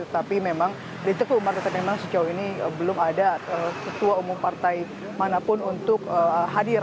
tetapi memang di teguh market memang sejauh ini belum ada ketua umum partai manapun untuk hadir